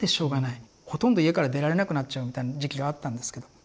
ほとんど家から出られなくなっちゃうみたいな時期があったんですけど。